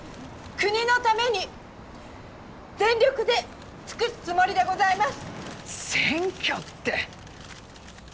国のために全力で尽くすつもりでございます。